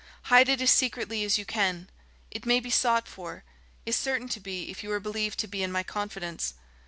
Hide it as secretly as you can. It may be sought for, is certain to be if you are believed to be in my confidence.